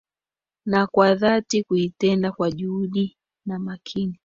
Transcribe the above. Na kwa dhati kuitenda, kwa juhudi na makini